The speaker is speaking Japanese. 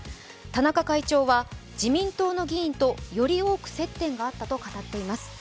田中会長は、自民党の議員とより多く接点があったと語っています。